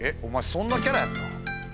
そんなキャラやった？